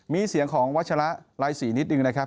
มีเสียงของวัตจระไร้สี่นิดนึงนะครับ